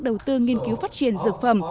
đầu tư nghiên cứu phát triển dược phẩm